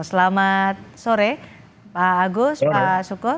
selamat sore pak agus pak sukoh